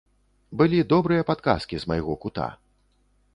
Былі добрыя падказкі з майго кута.